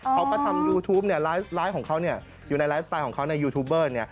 เขาก็ทำยูทูปไลฟ์ของเขาอยู่ในไลฟ์สไตล์ของเขาในยูทูบเบอร์